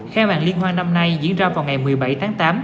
kheo màn liên hoan năm nay diễn ra vào ngày một mươi bảy tháng tám